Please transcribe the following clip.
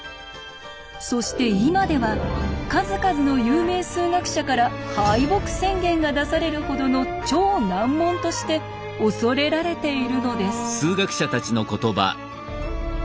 そして今では数々の有名数学者から敗北宣言が出されるほどの超難問として恐れられているのです。